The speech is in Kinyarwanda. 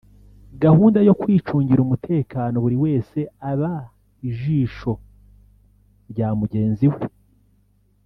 gahunda yo kwicungira umutekano buri wese aba ijishoi rya mugenzi we